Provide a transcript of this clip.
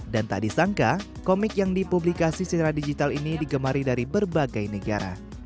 dan tak disangka komik yang dipublikasi secara digital ini digemari dari berbagai negara